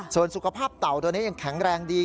ส่วนสุขภาพเต่าตัวนี้ยังแข็งแรงดี